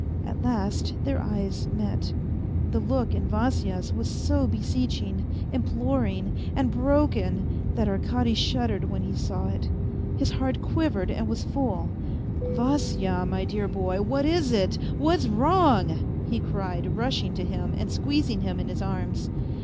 At last their eyes met. The look in Vasya's was so beseeching, imploring, and broken, that Arkady shuddered when he saw it. His heart quivered and was full. A FAINT HEART 183 " Vasya, my dear boy, what is it ? What's wrong ?" he cried, rushing to him and squeezing him in his arms.